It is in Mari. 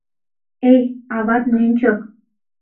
Эй, ават нӧнчык!